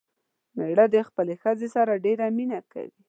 مېړه دې خپلې ښځې سره ډېره مينه کوي